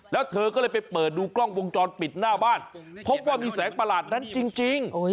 แล้วเธอก็เลยไปเปิดดูกล้องวงจรปิดหน้าบ้านพบว่ามีแสงประหลาดนั้นจริง